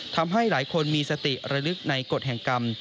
ทำให้หลายคนมีสติระลึกในกฎแห่งกรรม